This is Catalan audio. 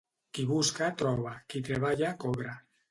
Qui busca, troba; qui treballa, cobra.